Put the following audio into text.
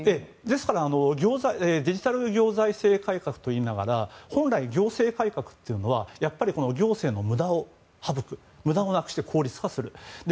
ですからデジタル行財政改革といいながら本来、行政改革というのはやっぱり行政の無駄を省く無駄をなくして効率化する。